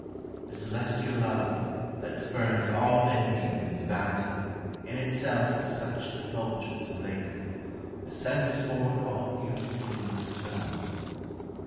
The celestial love, that spurns All envying in its bounty, in itself With such effulgence blazeth, as sends forth All beauteous things eternal.